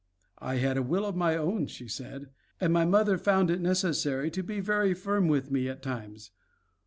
"I had a will of my own," she said, "and my mother found it necessary to be very firm with me at times.